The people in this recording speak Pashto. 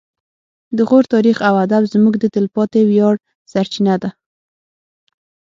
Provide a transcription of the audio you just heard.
د غور تاریخ او ادب زموږ د تلپاتې ویاړ سرچینه ده